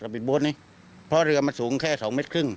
สะพีฟล์โบสต์นี้เพราะเรือมันสูงแค่ศูนย์๒๕ลิก